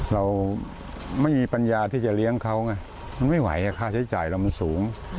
เราไม่มีปัญญาที่จะเลี้ยงเขาไงมันไม่ไหวค่าใช้จ่ายเรามันสูง